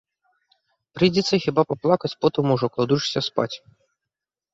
Прыйдзецца хіба паплакаць потым ужо, кладучыся спаць.